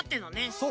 そう。